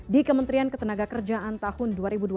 di kementerian ketenaga kerjaan tahun dua ribu dua puluh